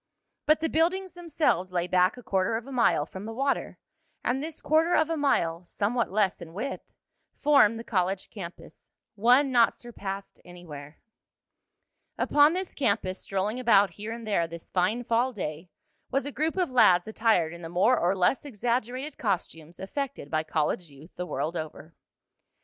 But the buildings themselves lay back a quarter of a mile from the water, and this quarter of a mile, somewhat less in width, formed the college campus one not surpassed anywhere. Upon this campus, strolling about here and there this fine fall day, was a group of lads attired in the more or less exaggerated costumes effected by college youth the world over.